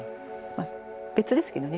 まあ別ですけどね